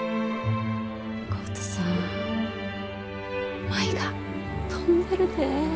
浩太さん舞が飛んでるで。